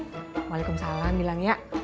waalaikumsalam bilang ya